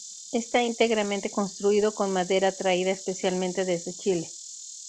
Esta íntegramente construido con madera traída especialmente desde Chile.